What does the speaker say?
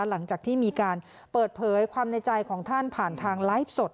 หลังจากที่มีการเปิดเผยความในใจของท่านผ่านทางไลฟ์สด